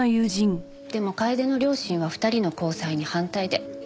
でも楓の両親は２人の交際に反対で。